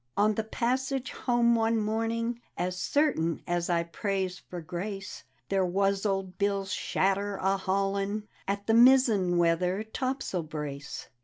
" On the passage home one morning (As certain as I prays for grace) There was old Bill's shadder a hauling At the mizzen weather topsail brace.